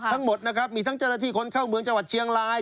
ทั้งหมดนะครับมีทั้งเจ้าหน้าที่คนเข้าเมืองจังหวัดเชียงราย